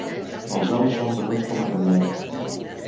Els ous són venuts com a caviar.